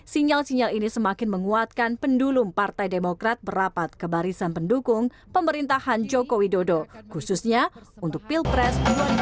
sinyal sinyal ini semakin menguatkan pendulum partai demokrat merapat ke barisan pendukung pemerintahan joko widodo khususnya untuk pilpres dua ribu sembilan belas